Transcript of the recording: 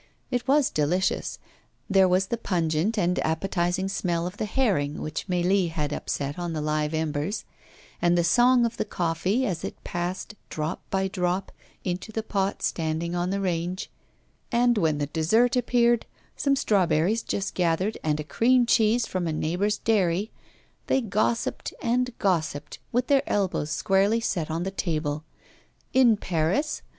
It was delicious; there was the pungent and appetising smell of the herring which Mélie had upset on the live embers, and the song of the coffee, as it passed, drop by drop, into the pot standing on the range; and when the dessert appeared some strawberries just gathered, and a cream cheese from a neighbour's dairy they gossiped and gossiped with their elbows squarely set on the table. In Paris?